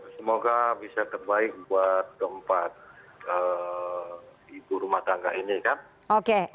semoga bisa terbaik buat keempat ibu rumah tangga ini kan